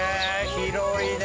広いね。